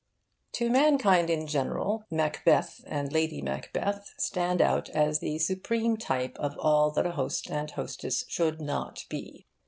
To mankind in general Macbeth and Lady Macbeth stand out as the supreme type of all that a host and hostess should not be.